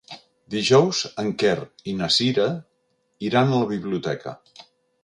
Dijous en Quer i na Cira iran a la biblioteca.